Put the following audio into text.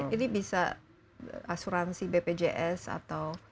ini bisa asuransi bpjs atau